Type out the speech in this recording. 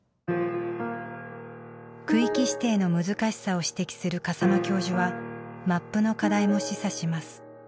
区域指定の難しさを指摘する笠間教授はマップの課題も示唆します。